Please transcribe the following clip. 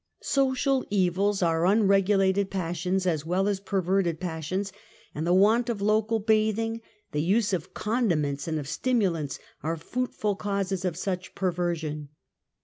Social evils are mi_regulated passions as well as /perverted passions, and the want of local bathing, the use of condiments and of stimulants are fruitful causes of such perversion.